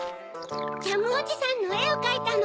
ジャムおじさんのえをかいたの！